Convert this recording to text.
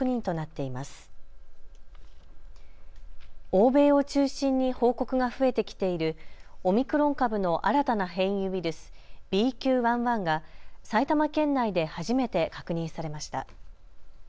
欧米を中心に報告が増えてきているオミクロン株の新たな変異ウイルス、ＢＱ．１．１が埼玉県内で初めて確認されました。